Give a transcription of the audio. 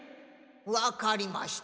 わかりました。